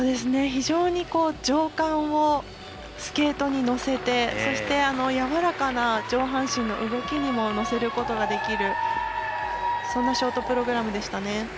非常に情感をスケートに乗せてやわらかな上半身の動きにも乗せることができるそんなショートプログラムでした。